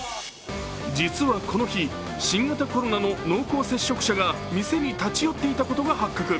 実はこの日、新型コロナの濃厚接触者が店に立ち寄っていたことが発覚。